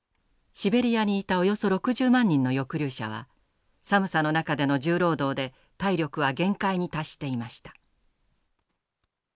シベリアにいたおよそ６０万人の抑留者は寒さの中での重労働で体力は限界に達していました。